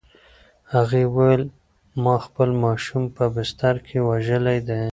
هغې وویل: "ما خپل ماشوم په بستر کې وژلی دی؟"